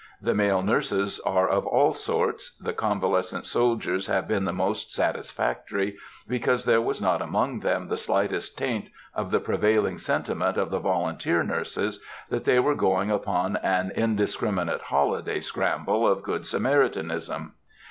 The male nurses are of all sorts. The convalescent soldiers have been the most satisfactory, because there was not among them the slightest taint of the prevailing sentiment of the volunteer nurses, that they were going upon an indiscriminate holiday scramble of Good Samaritanism.